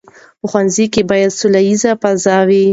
په ښوونځي کې باید سوله ییزه فضا وي.